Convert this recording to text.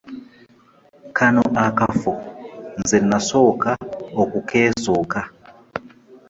Kano akafo nze nasooka okukeesooka.